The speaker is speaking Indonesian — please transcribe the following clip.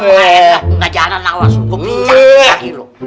nggak jalan awal sungguh pijat gila